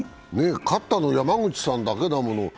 勝ったの山口さんだけだもの。